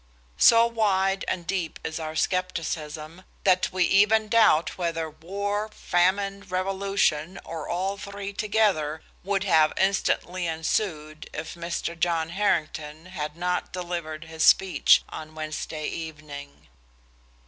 So wide and deep is our skepticism, that we even doubt whether 'war, famine, revolution, or all three together' would have instantly ensued if Mr. John Harrington had not delivered his speech on Wednesday evening.